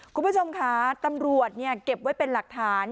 คุณผู้ชมค่ะตำรวจเก็บไว้เป็นหลักฐาน